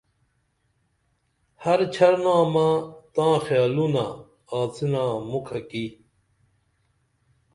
ہر چھر نامہ تاں خیالونہ آڅِنا مُکھی کی